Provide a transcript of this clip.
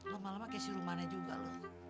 lama lama kesilu mana juga lo